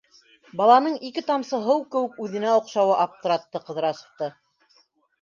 Баланың ике тамсы һыу кеүек үҙенә оҡшауы аптыратты Ҡыҙрасовты.